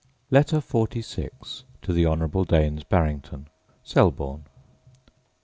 Letter XLVI To The Honourable Daines Barrington Selborne.